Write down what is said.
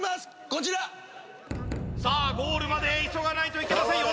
こちらゴールまで急がないといけませんよ